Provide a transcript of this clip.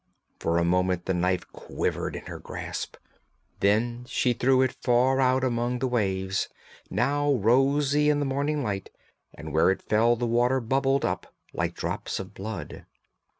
For a moment the knife quivered in her grasp, then she threw it far out among the waves, now rosy in the morning light, and where it fell the water bubbled up like drops of blood.